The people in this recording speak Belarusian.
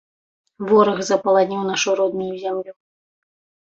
Вораг запаланіў нашу родную зямлю.